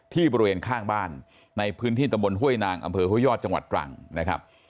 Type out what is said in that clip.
บริเวณข้างบ้านในพื้นที่ตำบลห้วยนางอำเภอห้วยยอดจังหวัดตรังนะครับ